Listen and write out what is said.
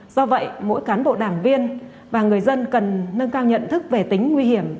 do vậy mỗi cán bộ đảng viên và người dân cần nâng cao nhận thức về tính nguy hiểm